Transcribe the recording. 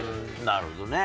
なるほどね。